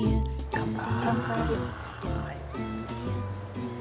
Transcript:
乾杯。